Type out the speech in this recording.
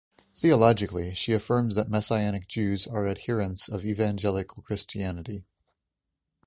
Theologically, she affirms that Messianic Jews are adherents of Evangelical Christianity.